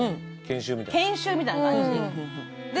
研修みたいな感じで。